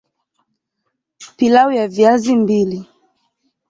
Pilau ya viazi mbili